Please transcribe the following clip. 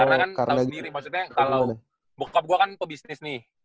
karena kan tau sendiri maksudnya kalau bokap gua kan pebisnis nih